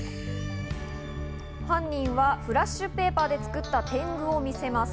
犯人はフラッシュペーパーで作った天狗を見せます。